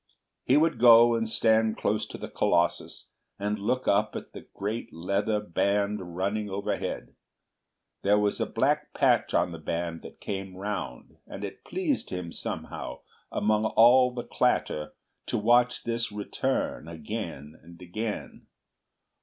He would go and stand close to the colossus and look up at the great leather band running overhead. There was a black patch on the band that came round, and it pleased him somehow among all the clatter to watch this return again and again.